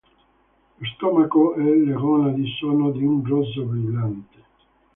Lo stomaco e le gonadi sono di un rosso brillante.